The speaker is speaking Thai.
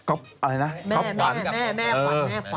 อะไรนะก๊อบขวัญแม่ขวัญ